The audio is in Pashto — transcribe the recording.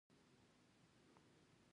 څه ووايم که هغه راشي